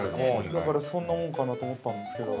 ◆だから、そんなもんかなと思ったんですけど。